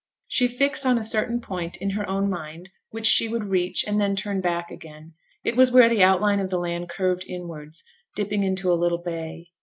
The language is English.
She fixed on a certain point, in her own mind, which she would reach, and then turn back again. It was where the outline of the land curved inwards, dipping into a little bay.